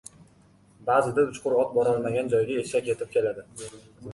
• Ba’zida uchqur ot borolmagan joyga eshak yetib keladi.